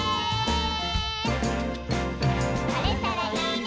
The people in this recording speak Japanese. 「晴れたらいいね」